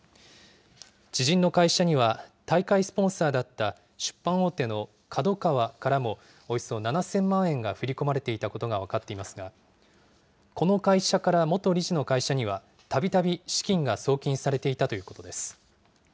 知人の会社には大会スポンサーだった出版大手のＫＡＤＯＫＡＷＡからも、およそ７０００万円が振り込まれていたことが分かっていますが、この会社から元理事の会社には、たびたび資金が送金されていたということです。